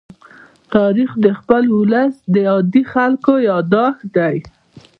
تاریخ د خپل ولس د عادي خلکو يادښت دی.